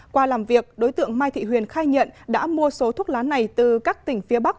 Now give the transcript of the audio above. qua làm việc đối tượng mai thị huyền khai nhận đã mua số thuốc lá này từ các tỉnh phía bắc